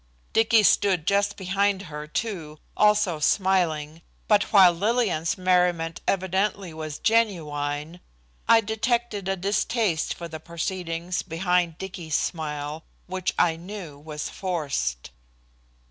Dicky stood just behind her too, also smiling, but while Lillian's merriment evidently was genuine, I detected a distaste for the proceedings behind Dicky's smile, which I knew was forced.